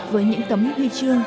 với những tấm huy chương